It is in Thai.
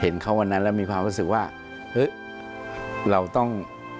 เห็นเขาวันนั้นแล้วมีความรู้สึกว่าเฮ้ยเราต้อง